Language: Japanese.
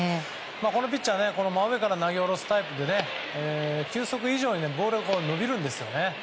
このピッチャーは真上から投げ下ろすタイプで球速以上にボールが伸びるんですね。